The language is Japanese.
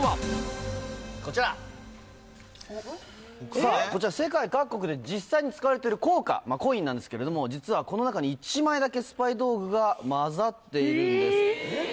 さぁこちら世界各国で実際に使われている硬貨まぁコインなんですけれども実はこの中に１枚だけスパイ道具が交ざっているんです。